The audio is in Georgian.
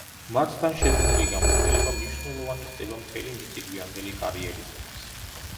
მათთან შეძენილი გამოცდილება მნიშვნელოვანი ხდება მთელი მისი გვიანდელი კარიერისთვის.